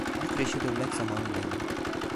Bükreş'e dönmek zamanı geldi.